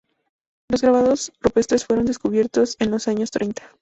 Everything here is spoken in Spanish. Los grabados rupestres fueron descubiertos en los años treinta.